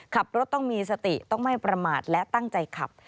ขับรถต้องมีสติต้องไม่ประมาทและตั้งใจขับ